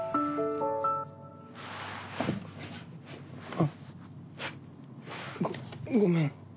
あっごごめん。